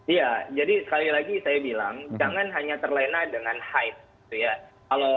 iya jadi sekali lagi saya bilang jangan hanya terlena dengan hype